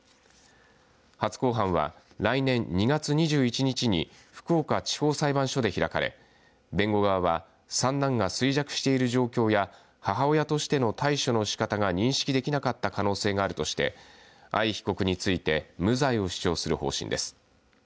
初公判は、来年２月２１日に福岡地方裁判所で開かれ弁護側は３男が衰弱している状況や母親としての対処のしかたが認識できなかった可能性があるとして藍被告について無罪を主張する方針です。